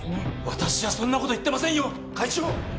私はそんなこと言ってませんよ会長！